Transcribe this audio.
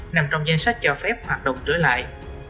nằm trong danh sách cho phép hoạt động trở lại